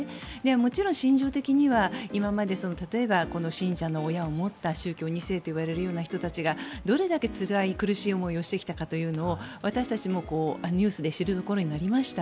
もちろん心情的には今まで例えば信者の親を持った宗教２世といわれるような人たちがどれだけつらい、苦しい思いをしてきたかというのを私たちもニュースで知るところとなりました。